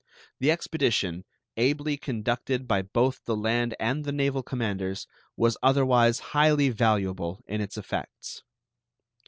The expedition, ably conducted by both the land and the naval commanders, was otherwise highly valuable in its effects.